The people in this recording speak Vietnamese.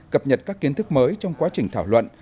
cập nhật các kiến thức mới trong quá trình thảo luận